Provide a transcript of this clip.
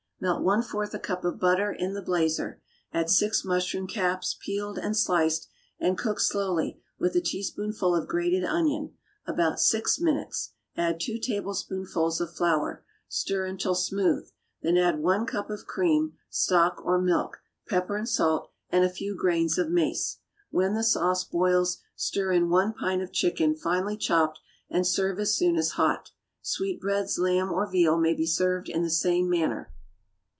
= Melt one fourth a cup of butter in the blazer; add six mushroom caps, peeled and sliced, and cook slowly, with a teaspoonful of grated onion, about six minutes; add two tablespoonfuls of flour, stir until smooth, then add one cup of cream, stock or milk, pepper and salt, and a few grains of mace. When the sauce boils, stir in one pint of chicken, finely chopped, and serve as soon as hot. Sweetbreads, lamb or veal may be served in the same manner.